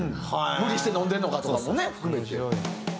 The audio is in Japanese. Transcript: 無理して飲んでんのかとかもね含めて。